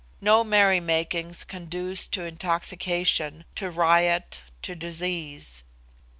No merry makings conduced to intoxication, to riot, to disease.